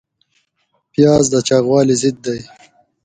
پیاز د چاغوالي ضد دی